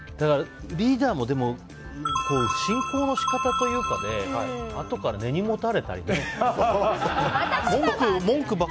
リーダーもこう進行の仕方というかあとから根に持たれたりね